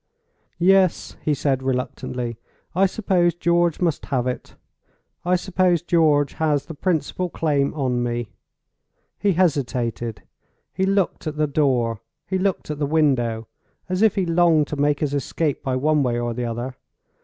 "Yes," he said, reluctantly, "I suppose George must have it—I suppose George has the principal claim on me." He hesitated: he looked at the door, he looked at the window, as if he longed to make his escape by one way or the other.